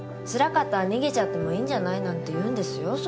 「つらかったら逃げちゃってもいいんじゃない？」なんて言うんですよ